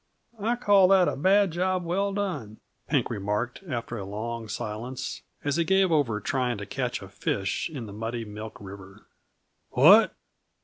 "I call that a bad job well done," Pink remarked, after a long silence, as he gave over trying to catch a fish in the muddy Milk River. "What?"